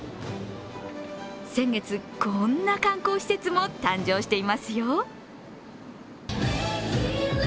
先月、こんな観光施設も誕生していますよ。